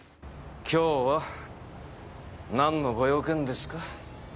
今日は何のご用件ですか？